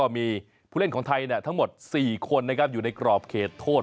มีผู้เล่นของไทยทั้งหมด๔คนอยู่ในกรอบเขตโทษ